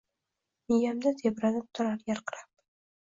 Miyamda tebranib turar yarqirab